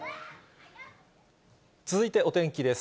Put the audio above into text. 続いて、お天気です。